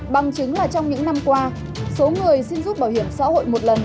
bằng chứng là trong những năm qua số người xin rút bảo hiểm xã hội một lần